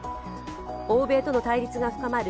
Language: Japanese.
欧米との対立が深まる